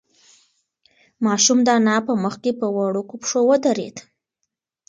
ماشوم د انا په مخ کې په وړوکو پښو ودرېد.